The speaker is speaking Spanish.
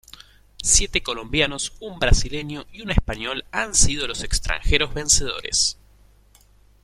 Siete colombianos, un brasileño y un español han sido los extranjeros vencedores.